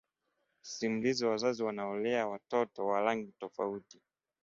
Simulizi Wazazi Wanaolea Watoto wa Rangi Tofauti